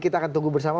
kita akan tunggu bersama